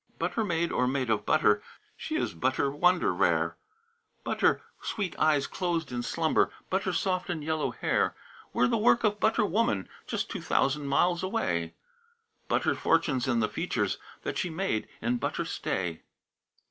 IV. "Butter maid or made of butter, She is butter wonder rare; Butter sweet eyes closed in slumber, Butter soft and yellow hair, Were the work of butter woman Just two thousand miles away; Butter fortune's in the features That she made in butter stay.